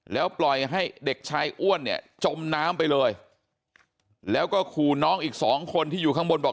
แล้วปล่อยให้เด็กชายอ้วนเนี่ยจมน้ำไปเลยแล้วก็ขู่น้องอีกสองคนที่อยู่ข้างบนบอก